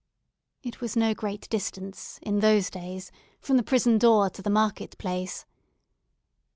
It was no great distance, in those days, from the prison door to the market place.